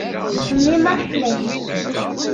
Ttxemmimeɣ fell-ak.